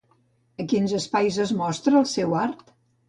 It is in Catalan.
A quins espais es mostra el seu art?